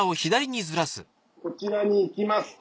こちらに行きますと。